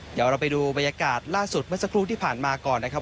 เดี๋ยวเราไปดูบรรยากาศล่าสุดเมื่อสักครู่ที่ผ่านมาก่อนนะครับ